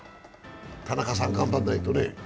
田中さん頑張らないとね。